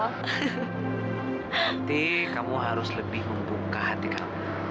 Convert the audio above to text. berarti kamu harus lebih membuka hati kamu